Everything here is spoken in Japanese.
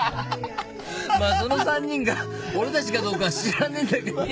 まぁその３人が俺たちかどうかは知らねえんだけど。